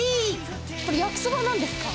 これ、焼きそばなんですか？